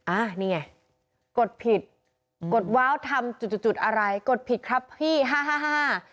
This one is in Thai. อ่านี่ไงกดผิดกดว้าวทำจุดจุดจุดอะไรกดผิดครับพี่ห้าห้า